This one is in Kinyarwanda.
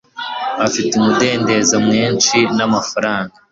afite umudendezo mwinshi namafaranga